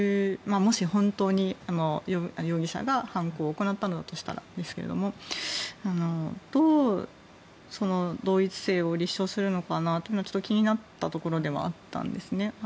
もし本当に容疑者が犯行を行ったんだとしたらですがどう同一性を立証するのかなと気になったところではあったんですね。